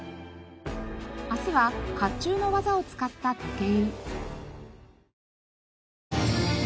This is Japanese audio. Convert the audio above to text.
明日は甲冑の技を使った時計。